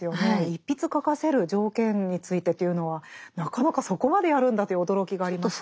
一筆書かせる条件についてというのはなかなかそこまでやるんだという驚きがありましたけど。